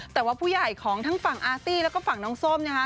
แต่ว่าผู้ใหญ่ของทั้งฝั่งอาร์ตี้แล้วก็ฝั่งน้องส้มนะคะ